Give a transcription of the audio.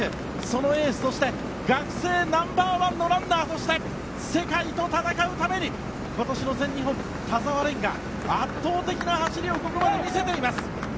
そのエースとして学生ナンバーワンのランナーとして世界と戦うために今年の全日本、田澤廉が圧倒的な走りをここまで見せています。